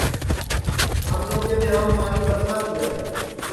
سانو کے ٻیاںٚم پاٹؔی ٻرسا تیا